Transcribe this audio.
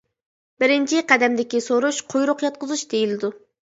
بىرىنچى قەدەمدىكى سورۇش قۇيرۇق ياتقۇزۇش دېيىلىدۇ.